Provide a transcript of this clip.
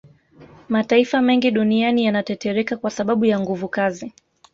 Mataifa mengi duniani yanatetereka kwasababu ya nguvukazi